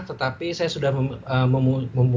tetapi saya sudah memu